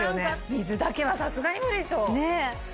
水だけはさすがに無理でしょ。え！